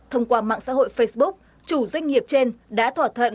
thông qua mạng xã hội facebook chủ doanh nghiệp trên đã thỏa thuận